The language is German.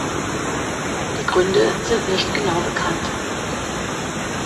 Die Gründe sind nicht genau bekannt.